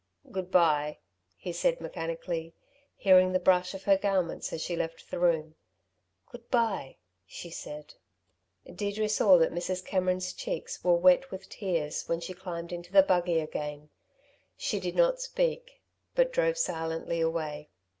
"Good bye," he said, mechanically, hearing the brush of her garments as she left the room. "Good bye," she said. Deirdre saw that Mrs. Cameron's cheeks were wet with tears when she climbed into the buggy again. She did not speak, but drove silently away.